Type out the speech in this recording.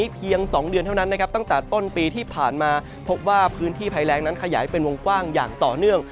เพียง๒เดือนเท่านั้นนะครับตั้งแต่ต้นปีที่ผ่านมาพบว่าพื้นที่ภัยแรงนั้นขยายเป็นวงกว้างอย่างต่อเนื่อง